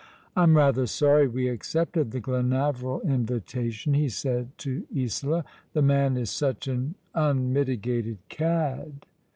'' I'm rather sorry we accepted the Glenaveril invitation," he said to Isola. " The man is such an unmitigated cad."